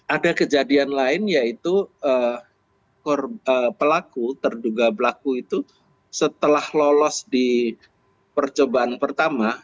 ada kejadian lain yaitu pelaku terduga pelaku itu setelah lolos di percobaan pertama